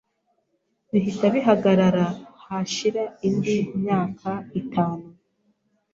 bihita bihagarara hashira indi myaka itanu.